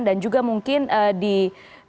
dan juga mungkin dipantau terhadap